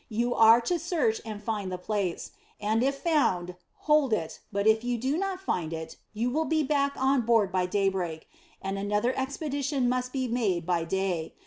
You are to search and find the place, and if found hold it, but if you do not find it you will be back on board by daybreak, and another expedition must be made by day.